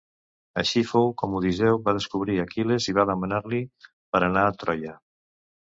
Així fou com Odisseu va descobrir Aquil·les i va demanar-li per anar a Troia.